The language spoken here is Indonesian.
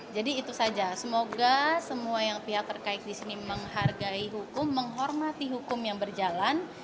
jadi itu saja semoga semua yang pihak terkait disini menghargai hukum menghormati hukum yang berjalan